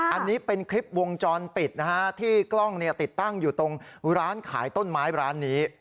อันนี้เป็นคลิปวงจรปิดนะฮะที่กล้องติดตั้งอยู่ตรงร้านขายต้นไม้ร้านนี้